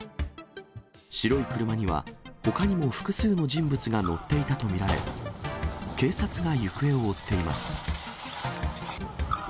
白い車には、ほかにも複数の人物が乗っていたと見られ、警察が行方を追っています。